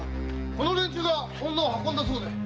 この連中が女を運んだそうで！